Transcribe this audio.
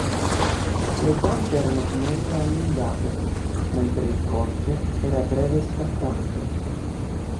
Le zampe erano snelle e allungate, mentre il corpo era breve e scattante.